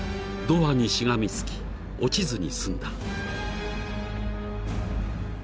［ドアにしがみつき落ちずに済んだ］